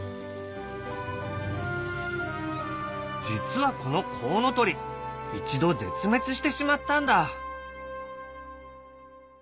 実はこのコウノトリ一度絶滅してしまったんだ。